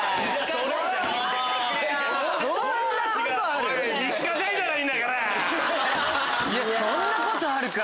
そんなことあるか。